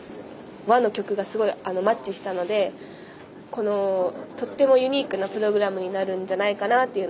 和の曲がすごいマッチしたのでとってもユニークなプログラムになるんじゃないかなと。